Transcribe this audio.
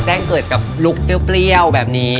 แจ้งเกิดกับลูกเจ้าเปลี่ยวแบบนี้